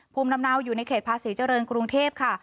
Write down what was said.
ภูมิน้ำอยู่ในเขตพระศรีเจริญกรุงเทพค่ะ